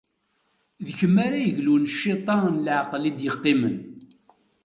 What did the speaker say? d kemm ara yeglun s ciṭ-a n leɛqel i d-yeqqimen.